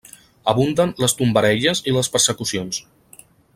Abunden les tombarelles i les persecucions.